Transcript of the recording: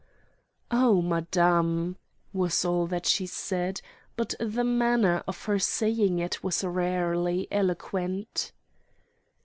"Oh, madame!" was all she said; but the manner of her saying it was rarely eloquent.